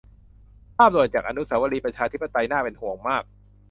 ภาพด่วนจาก อนุเสาวรีย์ประชาธิปไตย น่าเป็นห่วงมาก